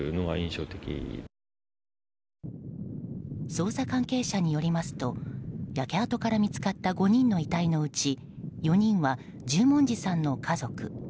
捜査関係者によりますと焼け跡から見つかった５人の遺体のうち４人は十文字さんの家族。